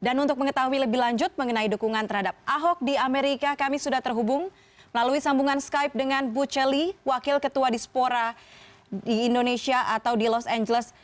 dan untuk mengetahui lebih lanjut mengenai dukungan terhadap ahok di amerika kami sudah terhubung melalui sambungan skype dengan bu celi wakil ketua dispora di indonesia atau di los angeles